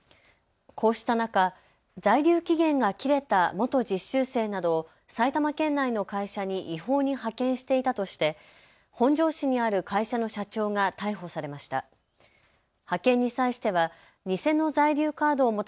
こうした中、在留期限が切れた元実習生などを埼玉県内の会社に違法に派遣していたとして本庄市にある会社の社長が逮捕されました。